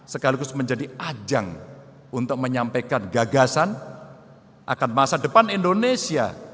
sekaligus menjadi ajang untuk menyampaikan gagasan akan masa depan indonesia